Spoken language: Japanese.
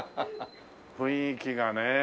雰囲気がね。